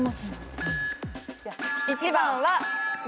１番は。